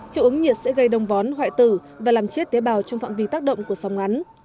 hiệu ứng nhiệt sẽ gây đông vón hoại tử và làm chết tế bào trong phạm vi tác động của sóng ngắn